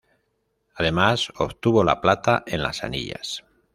Además, obtuvo la plata en las anillas.